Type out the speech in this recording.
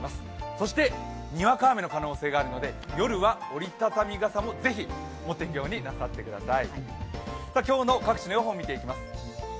そして、にわか雨の可能性があるので、夜は折り畳み傘もぜひ持っていくようにしてください。